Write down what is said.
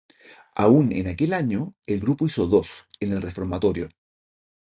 Aún en aquel año, el grupo hizo dos, en el reformatorio.